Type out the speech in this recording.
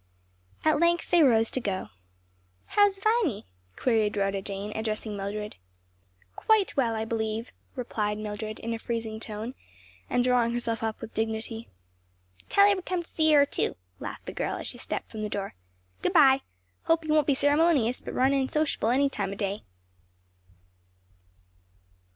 At length they rose to go. "How's Viny?" queried Rhoda Jane, addressing Mildred. "Quite well, I believe," replied Mildred in a freezing tone, and drawing herself up with dignity. "Tell her we come to see her too," laughed the girl, as she stepped from the door, "Good bye. Hope you won't be ceremonious, but run in sociable any time o' day."